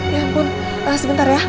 ya ampun sebentar ya